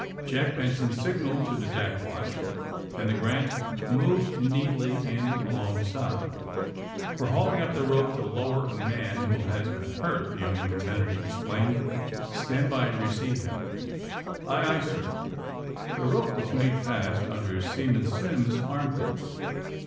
Jack Benson signaled to the deck watch, and the "'Grant" moved neatly in alongside. ^'We're hauling up the ro^e to lower a man who has been hurt," the young lieutenant ex plained. ''Stand by to receive him." "Aye, aye, sir." The rope was made fast under Seaman Simms's armpits.